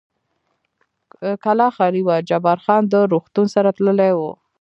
کلا خالي وه، جبار خان د روغتون سره تللی و.